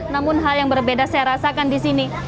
namun hal yang berbeda saya rasakan di sini